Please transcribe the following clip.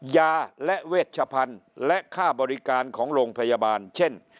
ยาและเวชพันธุ์และค่าบริการของโรงพยาบาลเช่น